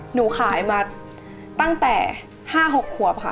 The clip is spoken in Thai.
หนูขายมาตั้งแต่๕๖ขวบค่ะ